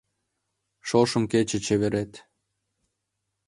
Шошым кече чеверет